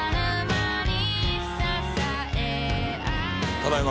ただいま。